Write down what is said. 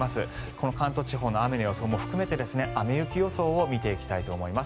この関東地方の雨の予想も含めて雨・雪予想を見ていきたいと思います。